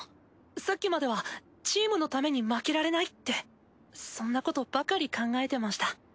さっきまではチームのために負けられないってそんなことばかり考えてました。